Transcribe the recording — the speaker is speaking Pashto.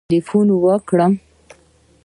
ټلېفون وکړم